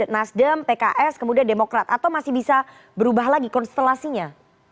nasdem pks kemudian demokrat atau masih bisa berubah lagi konstelasinya